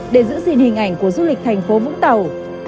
để giữ gìn hình ảnh của du lịch thành phố vũng tàu